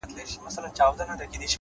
نیک اخلاق د انسان تلپاتې ښکلا ده،